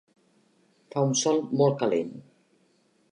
Fa un sol molt calent.